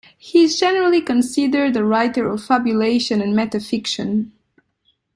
He is generally considered a writer of fabulation and metafiction.